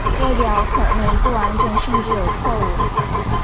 表格可能不完整甚至有错误。